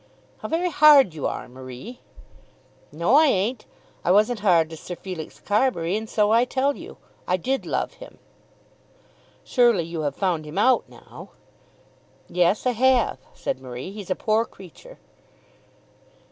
"How very hard you are, Marie." "No, I ain't. I wasn't hard to Sir Felix Carbury, and so I tell you. I did love him." "Surely you have found him out now." "Yes, I have," said Marie. "He's a poor creature."